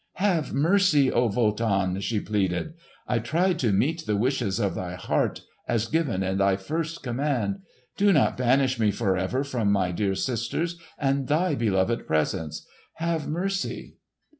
"Have mercy, O Wotan!" she pleaded. "I tried to meet the wishes of thy heart, as given in thy first command. Do not banish me for ever from my dear sisters and thy beloved presence. Have mercy!"